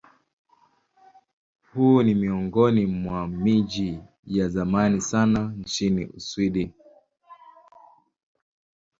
Huu ni miongoni mwa miji ya zamani sana nchini Uswidi.